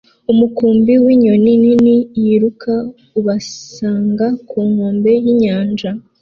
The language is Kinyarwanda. umukumbi winyoni nini yiruka ubasanga ku nkombe yinyanja